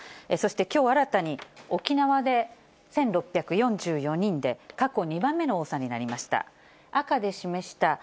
そしてきょう新たに、沖縄で１６４４人で、過去２番目の多さになりました。